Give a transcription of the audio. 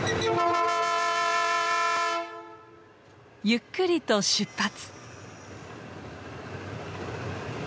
ゆっくりと出発。